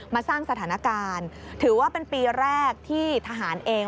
สร้างสถานการณ์ถือว่าเป็นปีแรกที่ทหารเอง